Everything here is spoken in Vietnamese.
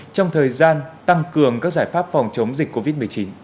trong thời gian tăng cường các giải pháp phòng chống dịch covid một mươi chín